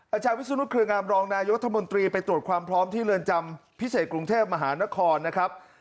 อาจารย์วิศนุเครืองามรองนายกรัฐมนตรีไปตรวจความพร้อมที่เรือนจำพิเศษกรุงเทพมหานครนะครับ